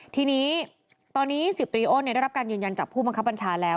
ทีนี้ตอนนี้๑๐ตรีอ้นได้รับการยืนยันจากผู้บังคับบัญชาแล้ว